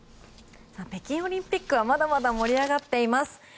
北京オリンピックはまだまだ盛り上がっています。